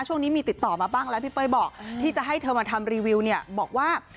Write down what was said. ช่วงนี้มีติดต่อมาบ้างแล้วพี่เป้ยบอกที่จะให้เธอมาทำรีวิวเนี่ยบอกว่า